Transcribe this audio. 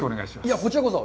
いや、こちらこそ。